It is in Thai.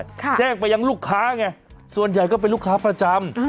แจ้งไปยังลูกค้าไงส่วนใหญ่ก็เป็นลูกค้าประจำ